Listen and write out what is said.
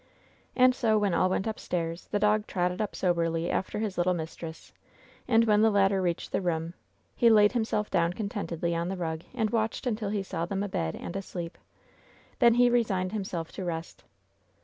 And so when all went upstairs, the dog trotted up soberly after his little mistress, and when the latter reached their room, he laid himself down contentedly on the rug, and watched until he saw them abed and asleep. Then he resigned himself to rest.